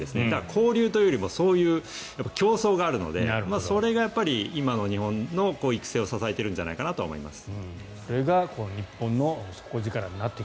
交流というよりも競争があるのでそれが今の育成を支えているんじゃないかと思います。